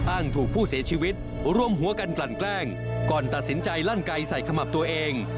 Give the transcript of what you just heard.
ถูกผู้เสียชีวิตรวมหัวกันกลั่นแกล้งก่อนตัดสินใจลั่นไกลใส่ขมับตัวเอง